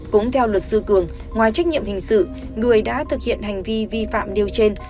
cũng theo luật sư cường ngoài trách nhiệm hình sự người đã thực hiện hành vi vi phạm nêu trên